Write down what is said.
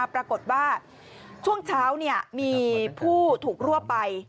ปรากฏว่าช่วงเช้ามีผู้ถูกรวบไป